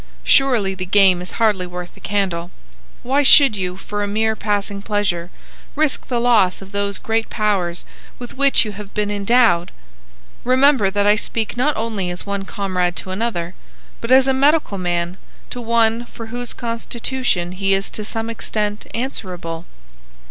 Surely the game is hardly worth the candle. Why should you, for a mere passing pleasure, risk the loss of those great powers with which you have been endowed? Remember that I speak not only as one comrade to another, but as a medical man to one for whose constitution he is to some extent answerable."